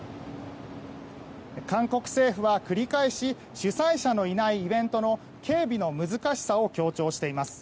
韓国政府は繰り返し主催者のいないイベントの警備の難しさを強調しています。